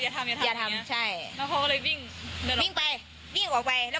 แต่ตอนนี้เราเอาตานั่งตรงนี้แล้ว